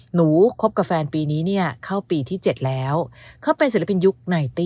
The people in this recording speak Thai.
หนูคบกับแฟนปีนี้เข้าปีที่๗แล้วเขาเป็นศิลปินยุค๙๐